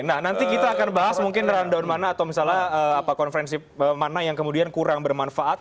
nah nanti kita akan bahas mungkin rundown mana atau misalnya konferensi mana yang kemudian kurang bermanfaat